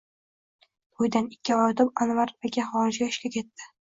To`ydan ikki oy o`tib, Anvar aka xorijga ishga ketdi